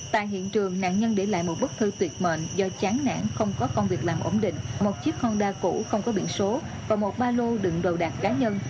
tại hiện trường nạn nhân để lại một bức thư tuyệt mện do chán nản không có công việc làm ổn định một chiếc honda cũ không có biển số và một ba lô đựng đồ đạc cá nhân